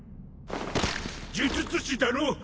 呪術師だろ？